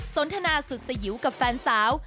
สนทนาสุดสยิวกับแฟนสาว